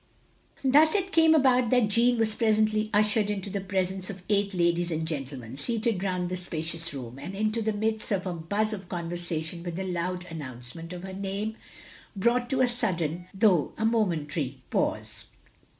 Thus it came about that Jeanne was presently ushered into the presence of eight ladies and gentlemen seated round the spacious room; and into the midst of a buzz of conversation which the loud announcement of her name brought to a sudden though a momentary pause.